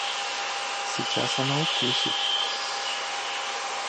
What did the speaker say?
Сейчас она укусит.